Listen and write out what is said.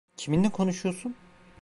Kiminle konuşuyorsun?